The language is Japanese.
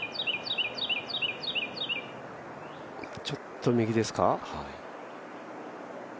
ちょっと右ですか。